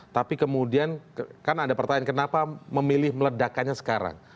tapi kemudian kan ada pertanyaan kenapa memilih meledakannya sekarang